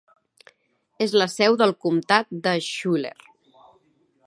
És la seu del comtat de Schuyler.